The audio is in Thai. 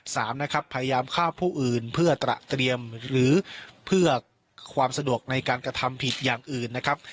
สามนะครับพยายามฆ่าผู้อื่นเพื่อตระเตรียมหรือเพื่อความสะดวกในการกระทำผิดอย่างอื่นนะครับ